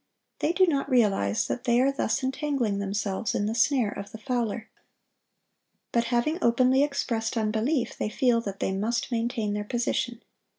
They do not realize that they are thus entangling themselves in the snare of the fowler. But having openly expressed unbelief, they feel that they must maintain their position.